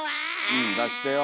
うん出してよ。